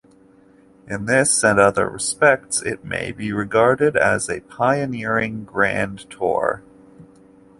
In this and other respects, it may be regarded as a pioneering Grand Tour.